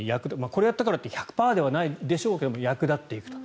これやったからって１００％ではないでしょうけど役立っていくと。